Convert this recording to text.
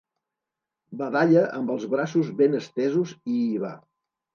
Badalla amb els braços ben estesos i hi va.